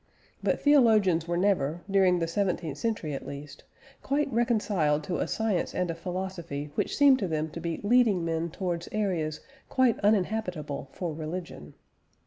But theologians were never, during the seventeenth century at least, quite reconciled to a science and a philosophy which seemed to them to be leading men towards areas quite uninhabitable for religion.